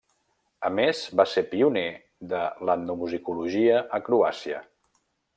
A més va ser pioner de l'etnomusicologia a Croàcia.